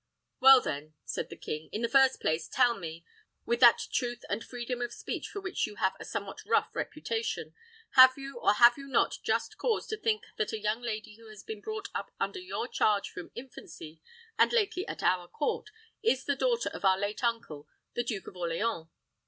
"Well, then," said the king, "in the first place, tell me, with that truth and freedom of speech for which you have a somewhat rough reputation, have you, or have you not just cause to think that a young lady who has been brought up under your charge from infancy, and lately at our court, is the daughter of our late uncle, the Duke of Orleans?"